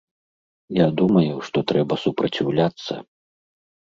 Я думаю, што трэба супраціўляцца.